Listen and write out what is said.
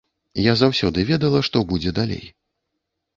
Я заўсёды ведала што будзе далей.